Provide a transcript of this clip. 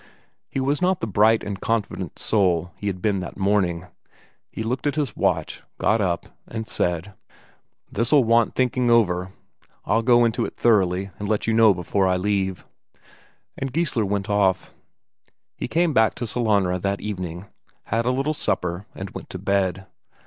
He was not the bright and confident soul he had been that morning. He looked at his watch, got up, and said: "This'll want thinking over. I'll go into it thoroughly and let you know before I leave." And Geissler went off. He came back to Sellanraa that evening, had a little supper, and went to bed.